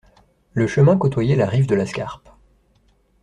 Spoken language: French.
Le chemin côtoyait la rive de la Scarpe.